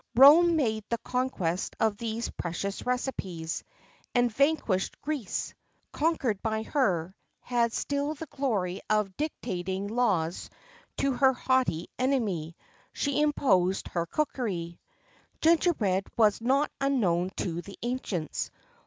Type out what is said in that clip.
Rome made the conquest of these precious recipes,[XXIV 13] and vanquished Greece, conquered by her, had still the glory of dictating laws to her haughty enemy: she imposed her cookery. Gingerbread was not unknown to the ancients.